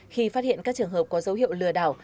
khi phát hiện các trường hợp có dấu hiệu lừa đảo